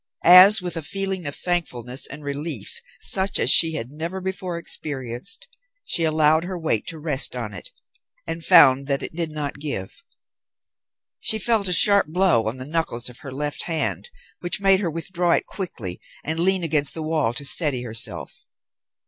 As, with a feeling of thankfulness and relief such as she had never before experienced, she allowed her weight to rest on it and found that it did not give, she felt a sharp blow on the knuckles of her left hand, which made her withdraw it quickly and lean against the wall to steady herself.